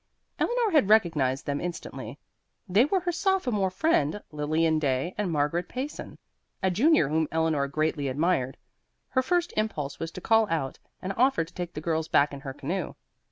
Eleanor had recognized them instantly; they were her sophomore friend, Lilian Day, and Margaret Payson, a junior whom Eleanor greatly admired. Her first impulse was to call out and offer to take the girls back in her canoe.